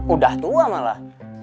udah tua malah